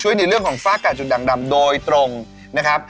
ในเรื่องของฝ้ากาศจุดดังดำโดยตรงนะครับ